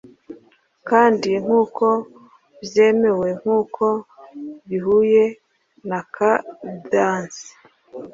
kandi nkuko byemewe nkuko bihuye na cadence